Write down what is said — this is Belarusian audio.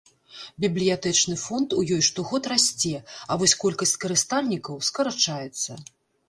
Бібліятэчны фонд у ёй штогод расце, а вось колькасць карыстальнікаў скарачаецца.